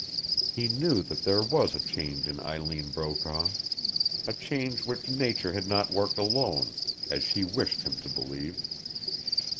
He knew that there was a change in Eileen Brokaw, a change which nature had not worked alone, as she wished him to believe.